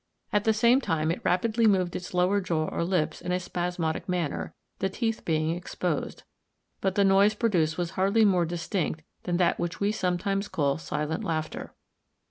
At the same time it rapidly moved its lower jaw or lips in a spasmodic manner, the teeth being exposed; but the noise produced was hardly more distinct than that which we sometimes call silent laughter.